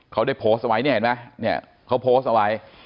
เขาได้โพสต์เอาไว้เนี่ยเห็นไหมเนี่ยเขาโพสต์เอาไว้